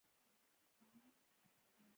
خیال د پوهې د پراختیا لامل کېږي.